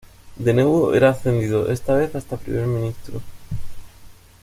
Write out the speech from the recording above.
De nuevo era ascendido, esta vez hasta primer ministro.